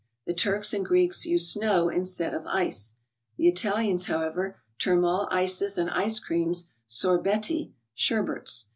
The Turks and Greeks use snow instead of ice. The Italians, however, term all ices and ice¬ creams "sorbetti" sherbets.